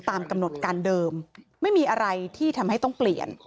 ตามกำหนดการเดิมไม่มีอะไรที่ทำให้ต้องเปลี่ยน